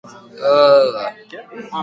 Ahal baduzu, argitararazi biak batera.